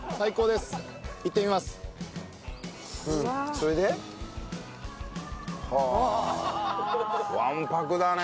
それで？はあわんぱくだね。